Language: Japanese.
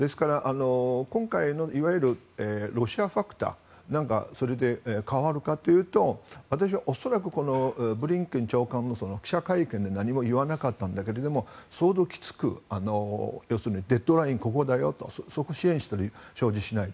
今回のいわゆるロシアファクターがそれで変わるかというと私は恐らくブリンケン長官も記者会見で何も言わなかったけれども相当きつくデッドラインはここだよとそこを支援したらしょうちしない。